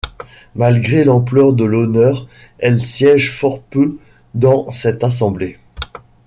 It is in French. Malgré l'ampleur de l'honneur, elle siège fort peu dans cette assemblée.